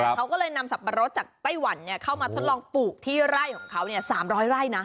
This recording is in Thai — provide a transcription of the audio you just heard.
ครับเขาก็เลยนำสับปะรดจากไต้หวันเนี่ยเข้ามาทดลองปลูกที่ไร่ของเขาเนี่ยสามร้อยไร่นะ